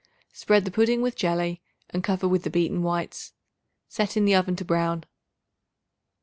Spread the pudding with jelly and cover with the beaten whites; set in the oven to brown.